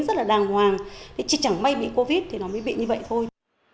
rất là đàng hoàng chứ chẳng may bị covid thì nó mới bị như vậy thôi